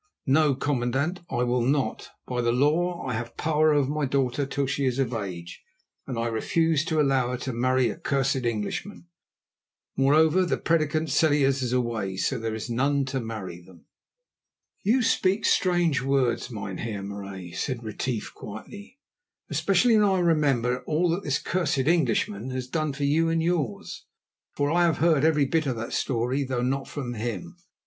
"No, commandant, I will not. By the law I have power over my daughter till she is of age, and I refuse to allow her to marry a cursed Englishman. Moreover, the prédicant Celliers is away, so there is none to marry them." "You speak strange words, Mynheer Marais," said Retief quietly, "especially when I remember all that this 'cursed Englishman' has done for you and yours, for I have heard every bit of that story, though not from him.